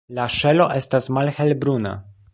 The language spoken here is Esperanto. La ŝelo estas malhelbruna.